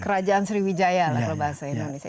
kerajaan sriwijaya lah kalau bahasa indonesia